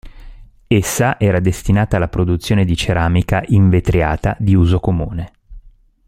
Essa era destinata alla produzione di ceramica invetriata di uso comune.